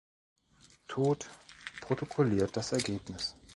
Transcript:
Thot protokolliert das Ergebnis.